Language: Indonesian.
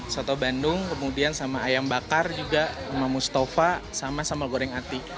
soto bandung kemudian sama ayam bakar juga sama mustafa sama sama goreng ati